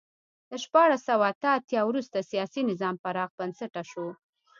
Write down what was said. له شپاړس سوه اته اتیا وروسته سیاسي نظام پراخ بنسټه شو.